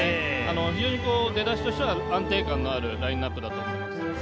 非常に出だしとしては安定感のあるラインナップだと思います。